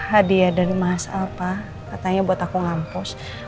hadiah dari mas alpa katanya buat aku ngampus